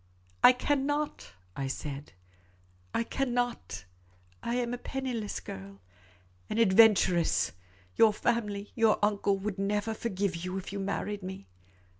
" I cannot," I said. " I cannot — I am a penniless girl — an adventuress. Your family, your uncle, would never forgive you if you married me.